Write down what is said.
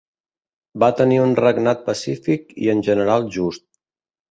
Va tenir un regnat pacífic i en general just.